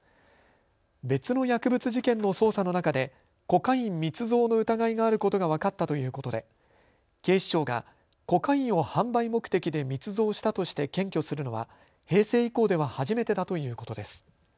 別の薬物事件の捜査の中でコカイン密造の疑いがあることが分かったということで警視庁がコカインを販売目的で密造したとして検挙するのは平成以降では初めてだということです。